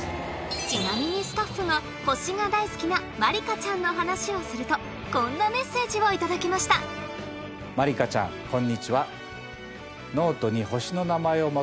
ちなみにスタッフが星が大好きなまりかちゃんの話をするとこんなメッセージを頂きましたまりかちゃんこんにちは。